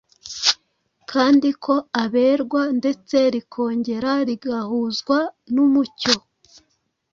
kandi ko aberwa ndetse rikongera rigahuzwa n’umucyo.